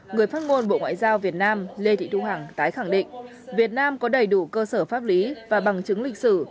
người phát ngôn bộ ngoại giao việt nam lê thị thu hằng tái khẳng định việt nam có đầy đủ cơ sở pháp lý và bằng chứng lịch sử